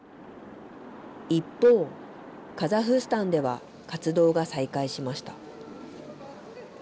一方、カザフスタンでは活動が再開しました。